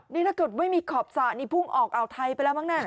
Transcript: นี่ถ้าเกิดไม่มีขอบสระนี่พุ่งออกอ่าวไทยไปแล้วมั้งน่ะ